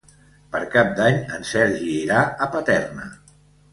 Per Cap d'Any en Sergi irà a Paterna.